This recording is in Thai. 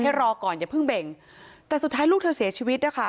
รอก่อนอย่าเพิ่งเบ่งแต่สุดท้ายลูกเธอเสียชีวิตนะคะ